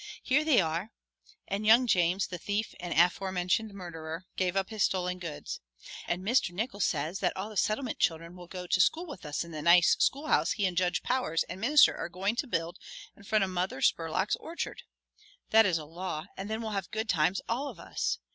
Here they are," and young James, the thief and aforementioned murderer, gave up his stolen goods. "And Mr. Nickols says that all the Settlement children will go to school with us in the nice schoolhouse he and Judge Powers and Minister are going to build in front of Mother Spurlock's orchard. That is a law and then we'll have good times, all of us.